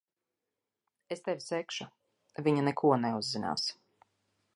Es tevi segšu. Viņa neko neuzzinās.